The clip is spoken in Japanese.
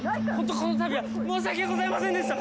このたびは申し訳ございませんでした！